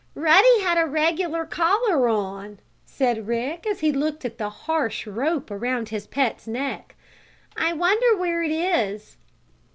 "Ruddy had a regular collar on," said Rick, as he looked at the harsh rope around his pet's neck. "I wonder where it is?"